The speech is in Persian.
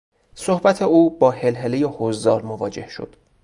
صحبت او با هلهلهی حضار مواجه شد.